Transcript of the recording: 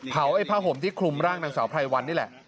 ไอ้ผ้าห่มที่คลุมร่างนางสาวไพรวันนี่แหละ